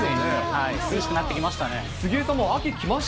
涼しくなってきましたね。